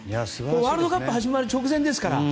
ワールドカップ始まる直前ですから。